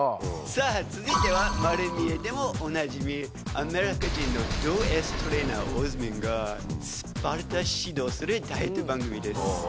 さぁ続いては『まる見え！』でもおなじみアメリカ人のドＳトレーナーオズマンがスパルタ指導するダイエット番組です。